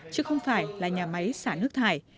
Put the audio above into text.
chứ không phải là nhà máy xả nước thải